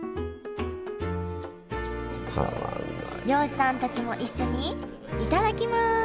漁師さんたちも一緒に頂きます